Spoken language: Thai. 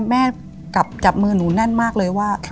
แม่จับมือหนูแน่นมากเลยว่า